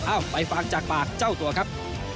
ไปฟังจากปากเจ้าตัวครับ